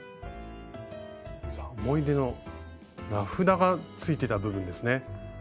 さあ思い出の名札がついてた部分ですね。